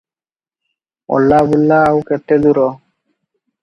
ଅଲାବୁଲା ଆଉ କେତେ ଦୂର?